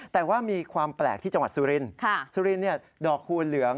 แต่ว่ามีความแปลกที่จังหวัดสุรินทร์สุรินดอกคูณเหลือง